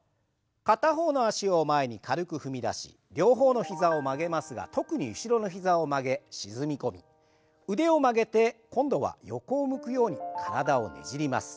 片方の脚を前に軽く踏み出し両方の膝を曲げますが特に後ろの膝を曲げ沈み込み腕を曲げて今度は横を向くように体をねじります。